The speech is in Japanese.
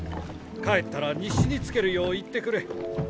帰ったら日誌につけるよう言ってくれ。